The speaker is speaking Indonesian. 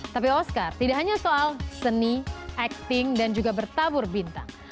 tapi oscar tidak hanya soal seni acting dan juga bertabur bintang